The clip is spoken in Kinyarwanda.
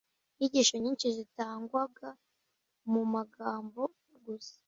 inyigisho nyinshi zatangwaga mu magambo gusa